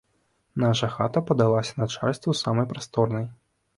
Наша хата падалася начальству самай прасторнай.